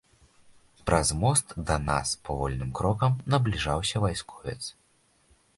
Праз мост да нас павольным крокам набліжаўся вайсковец.